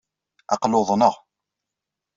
Aql-i uḍneɣ.